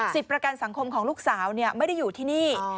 ประกันสังคมของลูกสาวไม่ได้อยู่ที่นี่